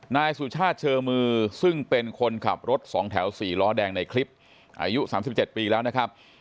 นายสุชาติเชอมือซึ่งเป็นคนขับรถสองแถว๔ล้อแดงในคลิปอายุ๓๗ปีแล้วนะครับ